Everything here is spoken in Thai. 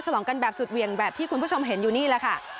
ลองกันแบบสุดเหวี่ยงแบบที่คุณผู้ชมเห็นอยู่นี่แหละค่ะ